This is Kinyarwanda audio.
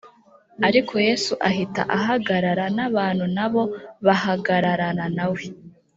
ariko yesu ahita ahagarara, n’abantu na bo bahagararana na we